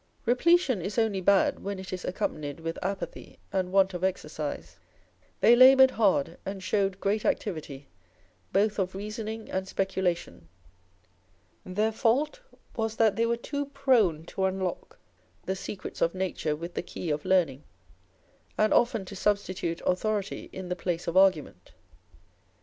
Repletion is only bad when it is accompanied with apathy and want of exercise. They laboured hard, and showed great activity both of reasoning and sjieculation. Their fault was that they were too prone to unlock the secrets of nature with the key of learning, and often to substitute authority in the place of argument.